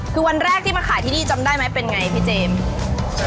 คือวันแรกที่มาขายที่นี่จำได้ไหมเป็นไงพี่เจมส์